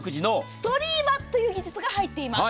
ストリーマという技術が入っています。